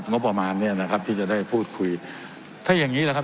งบประมาณเนี้ยนะครับที่จะได้พูดคุยถ้าอย่างงี้แหละครับ